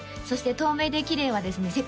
そして「透明できれい」はですね